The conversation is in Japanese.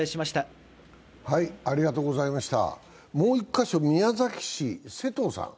もう１か所、宮崎市瀬藤さん。